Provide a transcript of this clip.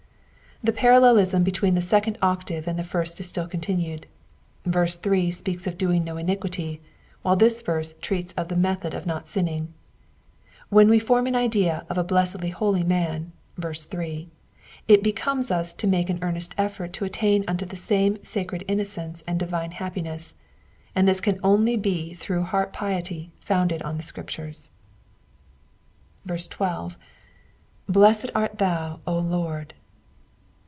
The parallelism between the second octave and the first is still continued. Terse 3 speaks of doing no iniquity, while this verse treats of the method of not sinning. When we form an idea of a blessedly holy man (verse 3) it becomes us to make an earnest efitort to attain unto the same sacred inno* cence and divine happiness, and this can only be through heart piety founded on the Scriptures. 13. ^^Blessed art thou, Lord."